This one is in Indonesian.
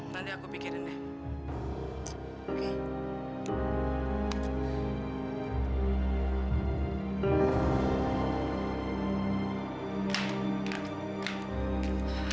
nanti aku pikirin deh